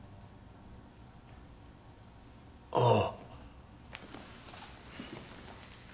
ああ。